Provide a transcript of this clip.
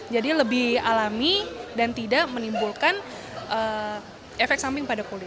jadi lebih alami dan tidak menimbulkan efek samping pada kulit